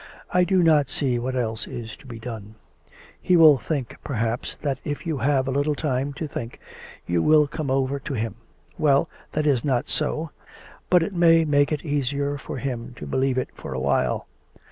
I do not see what els'e is to be done. He will think, perhaps, that if you have a little time to think you will come over to him. Well, that is not so, but it may make it easier for him to believe it for a, while.